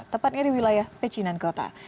tepatnya di wilayah pecinan kota